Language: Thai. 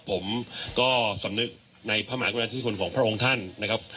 ผมก็สำนึกในพระมหากุญแรกที่ทุกคนของพระองค์ท่านนะครับ